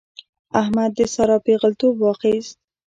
احمد د سارا پېغلتوب واخيست.